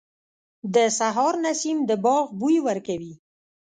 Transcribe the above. • د سهار نسیم د باغ بوی ورکوي.